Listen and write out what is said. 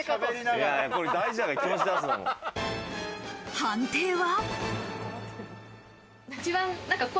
判定は。